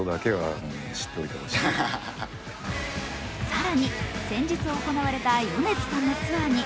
更に、先日行われた米津さんのツアーに